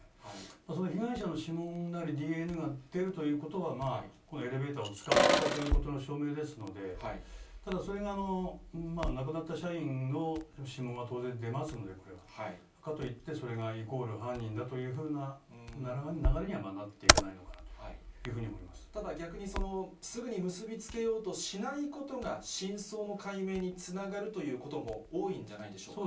その被害者の指紋なり、ＤＮＡが出るということは、このエレベーターを使ったということの証明ですので、ただそれが亡くなった社員の指紋は当然出ますので、これは、かといって、それがイコール犯人だというふうな流れにはなっていかないのかなただ、逆にすぐに結び付けようとしないことが、真相の解明につながるということも多いんじゃないでしょうか。